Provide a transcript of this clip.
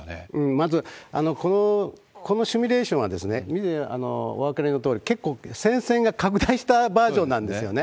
まず、このシミュレーションは、見てお分かりのように、結構戦線が拡大したバージョンなんですよね。